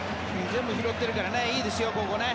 全部拾っているからいいですよ、ここね。